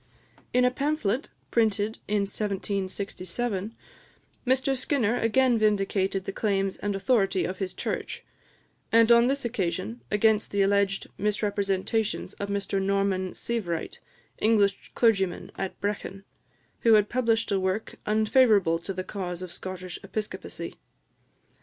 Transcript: In a pamphlet printed in 1767, Mr Skinner again vindicated the claims and authority of his Church; and on this occasion, against the alleged misrepresentations of Mr Norman Sievewright, English clergyman at Brechin, who had published a work unfavourable to the cause of Scottish Episcopacy.